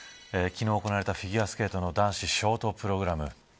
昨日行われたフィギュアスケート男子ショートプログラム。